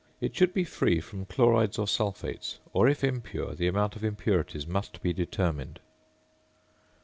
It should be free from chlorides or sulphates, or if impure the amount of impurities must be determined.